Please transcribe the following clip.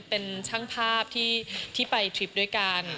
เป็นช่างภาพที่ไปทริปด้วยกัน